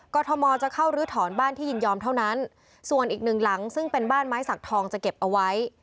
ทมจะเข้าลื้อถอนบ้านที่ยินยอมเท่านั้นส่วนอีกหนึ่งหลังซึ่งเป็นบ้านไม้สักทองจะเก็บเอาไว้